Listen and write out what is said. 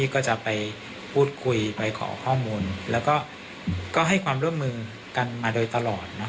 ก็จะไปพูดคุยไปขอข้อมูลแล้วก็ให้ความร่วมมือกันมาโดยตลอด